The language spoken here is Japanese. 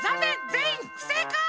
ぜんいんふせいかい！